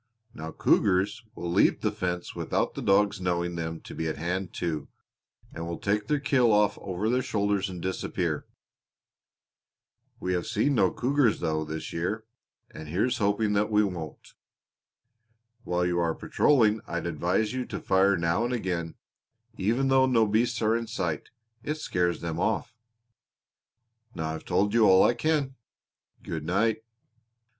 Now cougars will leap the fence without the dogs knowing them to be at hand, too, and will take their kill off over their shoulders and disappear. We have seen no cougars, though, this year, and here's hoping that we won't. While you are patrolling I'd advise you to fire now and again, even though no beasts are in sight; it scares them off. Now I've told you all I can. Good night."